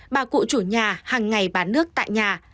bà cụ chủ nhà hàng ngày bán nước tại nhà